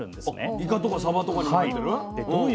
イカとかサバとかにも入ってる？